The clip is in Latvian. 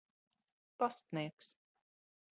Pastnieks